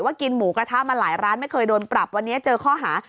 กินหมูกระทะมาหลายร้านไม่เคยโดนปรับวันนี้เจอข้อหา